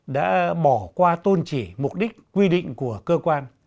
đã bỏ qua tôn chỉ mục đích quy định của cơ quan